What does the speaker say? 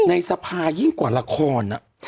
ในสภายิ่งกว่าละคร